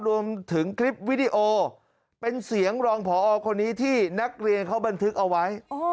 รวมถึงคลิปวิดีโอเป็นเสียงรองพอคนนี้ที่นักเรียนเขาบันทึกเอาไว้